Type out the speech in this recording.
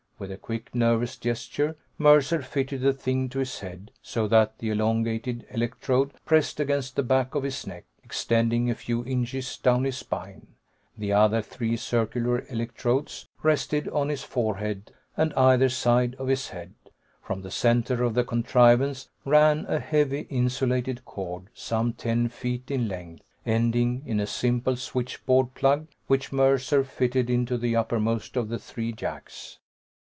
With a quick, nervous gesture, Mercer fitted the thing to his head, so that the elongated electrode pressed against the back of his neck, extending a few inches down his spine. The other three circular electrodes rested on his forehead and either side of his head. From the center of the contrivance ran a heavy insulated cord, some ten feet in length, ending in a simple switchboard plug, which Mercer fitted into the uppermost of the three jacks.